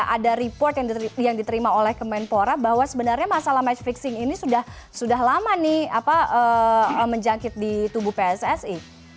ada report yang diterima oleh kemenpora bahwa sebenarnya masalah match fixing ini sudah lama nih menjangkit di tubuh pssi